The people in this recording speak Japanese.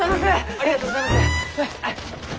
ありがとうございます！